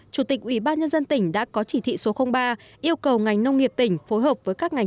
chủ tịch ubnd tỉnh đã có chỉ thị số ba yêu cầu ngành nông nghiệp tỉnh phối hợp với các ngành